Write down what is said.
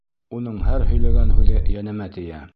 Уның һәр һөйләгән һүҙе йәнемә тейә.